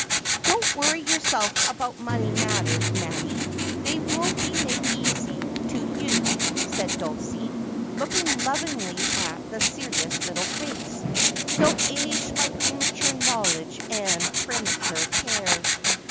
' Don't worry yourself about money matters, Mattie. They will be made easy to you,' said Dulcie, looking lovingly at the 318 Just as I Am. serious little face, so aged by premature knowledge and pre mature care.